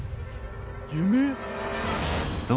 夢？